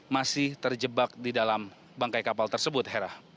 masih terjebak di dalam bangkai kapal tersebut hera